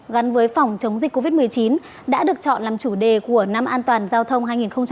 gắn với phòng chống dịch covid một mươi chín đã được chọn làm chủ đề của năm an toàn giao thông hai nghìn hai mươi